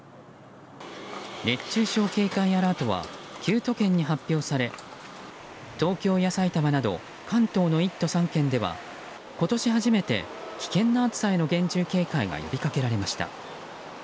熱中症警戒アラートは９都県に発表され東京や埼玉など関東の１都３県では今年初めて、危険な暑さへの厳重警戒が呼びかけられました。